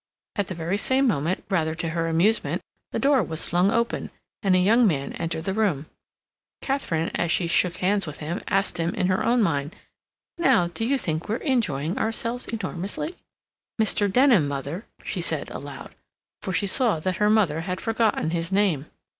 At the very same moment, rather to her amusement, the door was flung open, and a young man entered the room. Katharine, as she shook hands with him, asked him, in her own mind, "Now, do you think we're enjoying ourselves enormously?"... "Mr. Denham, mother," she said aloud, for she saw that her mother had forgotten his name.